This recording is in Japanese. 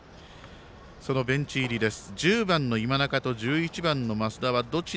そのベンチ入りです。